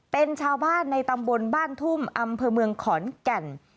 เป็นชาวบ้านในตำบลบ้านทุ่มอำเภอเมืองขอนแก่น